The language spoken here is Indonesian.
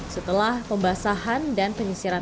setelah pembasahan dan penyambaran